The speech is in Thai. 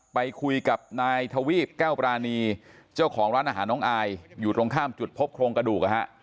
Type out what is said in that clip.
ไปคุยกับนายทวีปแก้วปรานีเจ้าของร้านอาหารน้องอายอยู่ตรงข้ามจุดพบโครงกระดูก